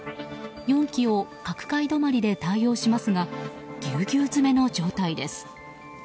４基を各階止まりで対応しますがぎゅうぎゅう詰めの状態です。